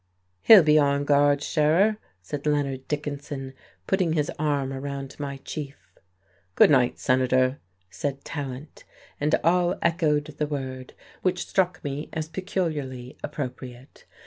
"He'll be on guard, Scherer," said Leonard Dickinson, putting his arm around my chief. "Good night, Senator," said Tallant, and all echoed the word, which struck me as peculiarly appropriate.